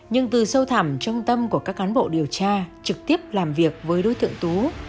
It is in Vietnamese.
nhưng từ sâu thảm trong tâm của các cán bộ điều tra trực tiếp làm việc với đối tượng tú